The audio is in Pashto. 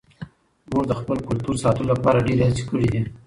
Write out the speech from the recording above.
موږ د خپل کلتور ساتلو لپاره ډېرې هڅې کړې دي.